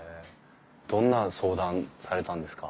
どんな相談されたんですか？